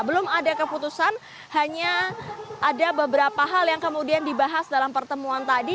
belum ada keputusan hanya ada beberapa hal yang kemudian dibahas dalam pertemuan tadi